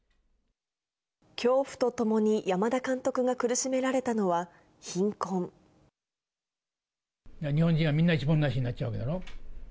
恐怖とともに山田監督が苦し日本人はみんな、一文無しになっちゃうわけだろ。